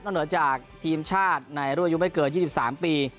นอกจากทีมชาติในรั่วยุ่งไม่เกิน๒๓ปี